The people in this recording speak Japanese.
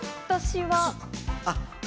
私は？